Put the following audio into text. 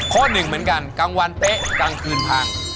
หนึ่งเหมือนกันกลางวันเต๊ะกลางคืนพัง